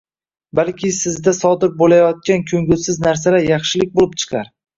Balki sizda sodir bo‘layotgan ko'ngilsiz narsalar yaxshilik bo‘lib chiqar.